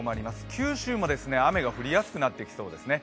九州も雨が降りやすくなってきそうですね。